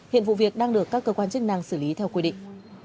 hiện vụ việc đang được các cơ quan chức năng xử lý theo quy định